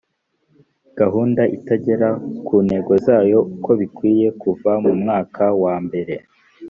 gahunda itagera ku ntego zayo uko bikwiye kuva mu mwaka wa mbere